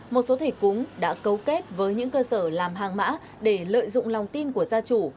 một số thể cúng đã cấu kết với những cơ sở làm hàng mã để lợi dụng lòng tin của gia chủ